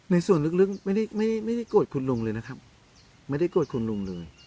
ส่วนลึกไม่ได้ไม่ได้โกรธคุณลุงเลยนะครับไม่ได้โกรธคุณลุงเลย